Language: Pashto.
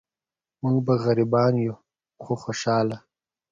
مونږ به غریبان یو خو خوشحاله.